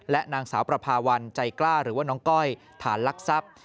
นางสาวประพาวันใจกล้าหรือว่าน้องก้อยฐานลักทรัพย์